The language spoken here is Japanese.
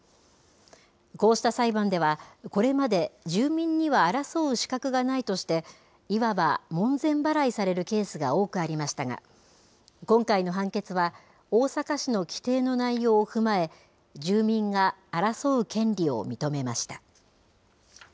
こうした裁判では、これまで住民には争う資格がないとして、いわば門前払いされるケースが多くありましたが、今回の判決は、大阪市の規定の内容を踏まえ、住民が争う権利を認めました。